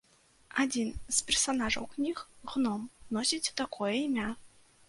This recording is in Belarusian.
Адзін з персанажаў кніг, гном, носіць такое імя.